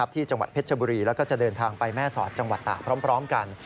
ที่จังหวัดเพชรบุรีแล้วก็จะเดินทางไปแม่สอดจังหวัดตากพร้อมกัน